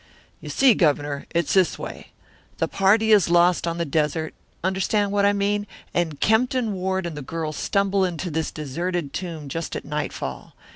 "You see, Governor, it's this way: the party is lost on the desert understand what I mean and Kempton Ward and the girl stumble into this deserted tomb just at nightfall.